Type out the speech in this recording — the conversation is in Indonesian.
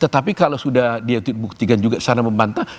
tetapi kalau sudah dia buktikan juga sana membantah